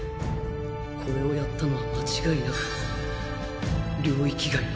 これをやったのは間違いなく領域外の